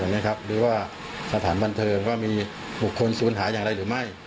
แบบนี้ครับหรือว่าสถานบันเทิงก็มีบุคคลศูนย์หาอย่างไรหรือไม่